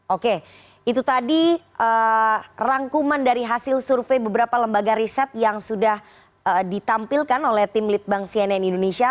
oke itu tadi rangkuman dari hasil survei beberapa lembaga riset yang sudah ditampilkan oleh tim litbang cnn indonesia